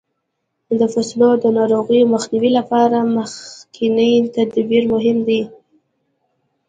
د فصلو د ناروغیو مخنیوي لپاره مخکینی تدبیر مهم دی.